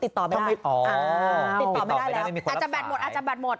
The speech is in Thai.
อ๋อติดต่อไม่ได้อาจจะแบตหมดอาจจะแบตหมด